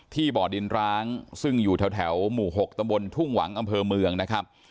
บ่อดินร้างซึ่งอยู่แถวหมู่๖ตำบลทุ่งหวังอำเภอเมืองนะครับ